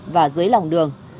và dưới lòng đường